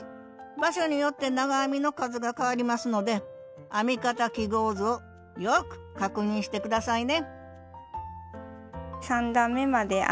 場所によって長編みの数が変わりますので編み方記号図をよく確認して下さいね